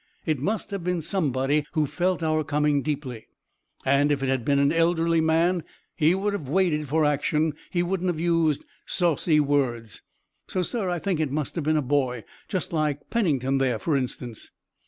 It must have been somebody who felt our coming deeply, and if it had been an elderly man he would have waited for action, he wouldn't have used saucy words. So, sir, I think it must have been a boy. Just like Pennington there, for instance."